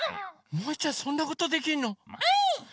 もいちゃんそんなことできんの？もい！